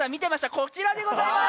こちらでございます。